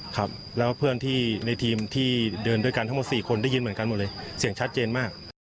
ครับแล้วเพื่อนที่ในทีมที่เดินด้วยกันทั้งหมด๔คนได้ยินเหมือนกันหมดเลยเสียงชัดเจนมาก